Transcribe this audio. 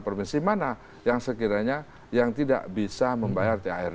permisi mana yang sekiranya tidak bisa membayar thr